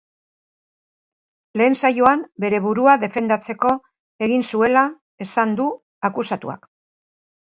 Lehen saioan, bere burua defendatzeko egin zuela esan du akusatuak.